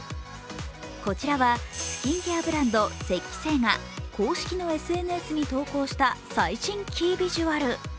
こちらはスキンケアブランド・雪肌精が公式のＳＮＳに投稿した最新キービジュアル。